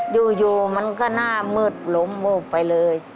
โยยมันก็หน้าเมืองล้มไปเลย